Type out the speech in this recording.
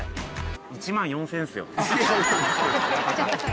１４，０００円ですよ親方。